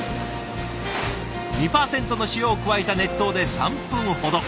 ２％の塩を加えた熱湯で３分ほど。